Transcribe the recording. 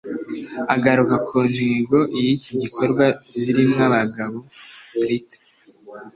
Agaruka ku ntego y’iki gikorwa Zirimwabagabo Rita